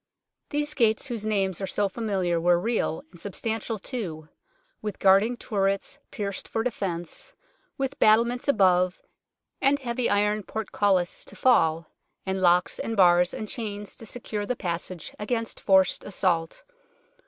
These gates whose names are so familiar were real, and substantial too, with guarding turrets, pierced for defence, with battlements above, and heavy iron portcullis to fall, and locks and bars and chains to secure the passage against forced assault.